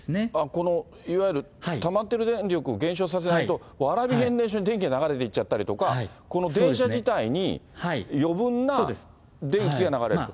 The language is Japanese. このいわゆるたまってる電力を減少させないと、蕨変電所に電気が流れていっちゃったりとか、この電車自体に余分な電気が流れると。